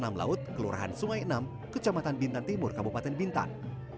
di dalam laut kelurahan sungai enam kecamatan bintan timur kabupaten bintan